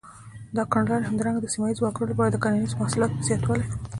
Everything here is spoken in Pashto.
دا کړنلارې همدارنګه د سیمه ییزو وګړو لپاره د کرنیزو محصولاتو په زباتوالي.